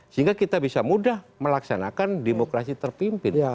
sehingga kita bisa mudah melaksanakan demokrasi terpimpin